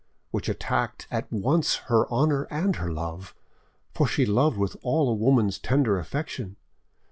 which attacked at once her honour and her love, for she loved with all a woman's tender affection.